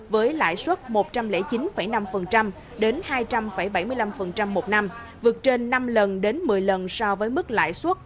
với lãi suất một trăm linh chín năm đến hai trăm bảy mươi năm một năm vượt trên năm lần đến một mươi lần so với mức lãi suất